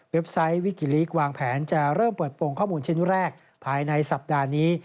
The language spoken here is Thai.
ไซต์วิกิลีกวางแผนจะเริ่มเปิดโปรงข้อมูลชิ้นแรกภายในสัปดาห์นี้